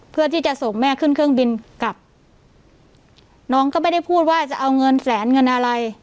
เพื่อที่จะส่งแม่ขึ้นเครื่องบินกลับน้องก็ไม่ได้พูดว่าจะเอาเงินแสนเงินอะไร